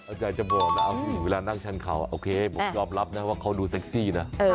เอาจริงจะบอกนะคะอายุเวลานั่งชานเขาโอเครอบรับนะว่าเขาดูเซ็กซี่นะ